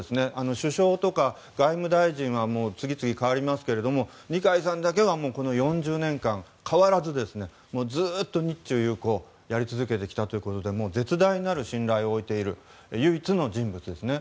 首相とか外務大臣は次々変わりますけど二階さんだけは４０年間変わらずずっと日中友好をやり続けてきたということで絶大なる信頼を置いている唯一の人物ですね。